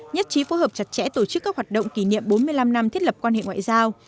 nhất trí phối hợp chặt chẽ tổ chức các hoạt động kỷ niệm bốn mươi năm năm thiết lập quan hệ ngoại giao